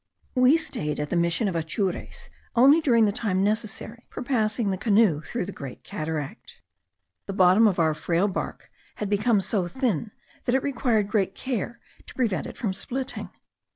We stayed at the mission of Atures only during the time necessary for passing the canoe through the Great Cataract. The bottom of our frail bark had become so thin that it required great care to prevent it from splitting.